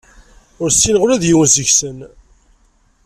Ur ssineɣ ula d yiwen seg-sen.